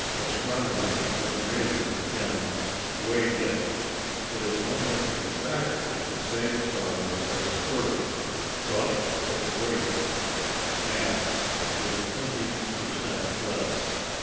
Astronomers have measured and "weighed" it. It is almost exactly the same size as Earth, but its weight (mass) is twenty per cent less.